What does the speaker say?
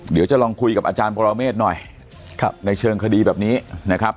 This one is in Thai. เดี๋ยวจะลองคุยกับอาจารย์ปรเมฆหน่อยในเชิงคดีแบบนี้นะครับ